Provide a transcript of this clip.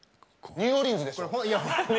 ニューオーリンズでしょ？